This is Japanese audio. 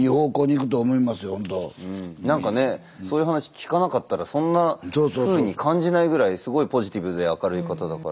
なんかねそういう話聞かなかったらそんなふうに感じないぐらいすごいポジティブで明るい方だから。